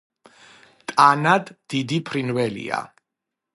ტანად დიდი ფრინველია.